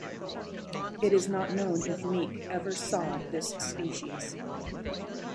It is not known if Meek ever saw this species.